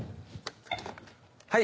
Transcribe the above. はい。